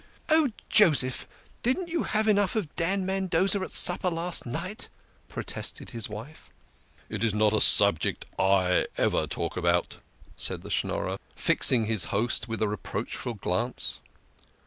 " Oh, Joseph, didn't you have enough of Dan Mendoza at supper last night?" protested his wife. " It is not a subject / ever talk about," said the Schnor rer, fixing his host with a reproachful glance.